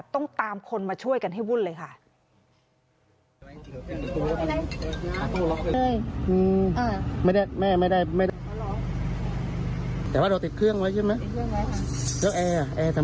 ต้องตามคนมาช่วยกันให้วุ่นเลยค่ะ